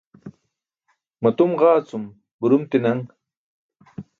Matum ġaa cum burum ti̇naṅ.